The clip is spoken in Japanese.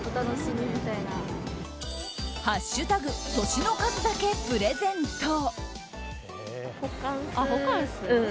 「＃歳の数だけプレゼント」。